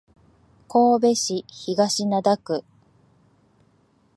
神戸市東灘区